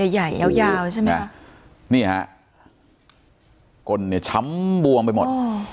ใหญ่ยาวใช่มั้ยนี่ฮะก้นเนี่ยช้ำบวงไปหมด